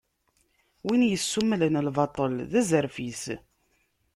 Win yessummlen lbaṭel, d azref-is.